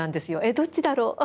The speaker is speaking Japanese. どっちだろう？